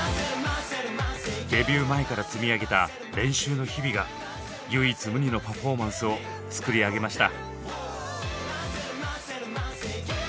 デビュー前から積み上げた練習の日々が唯一無二のパフォーマンスを作り上げました。